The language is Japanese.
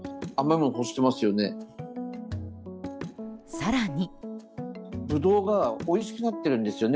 更に。